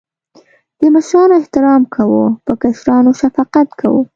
د مشرانو احترام کوه.په کشرانو شفقت کوه